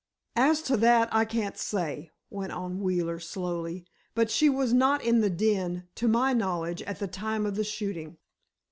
"As to that, I can't say," went on Wheeler, slowly, "but she was not in the den, to my knowledge, at the time of the shooting."